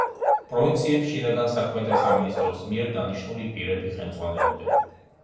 პროვინციებს შინაგან საქმეთა სამინისტროს მიერ დანიშნული პირები ხელმძღვანელობენ.